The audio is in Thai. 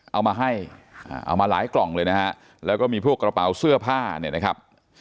เอามาให้เอามาหลายกล่องเลยนะฮะแล้วก็มีพวกกระเป๋าเสื้อผ้าเนี่ยนะครับ